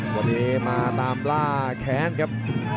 วันนี้มาตามล่าแค้นครับ